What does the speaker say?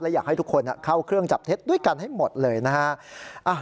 อยากให้ทุกคนเข้าเครื่องจับเท็จด้วยกันให้หมดเลยนะฮะ